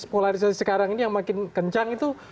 polarisasi sekarang ini yang makin kencang itu